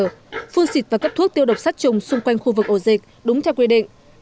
phun xịt và cấp thuốc tiêu độc sát trùng xung quanh khu vực ổ dịch đúng theo quy định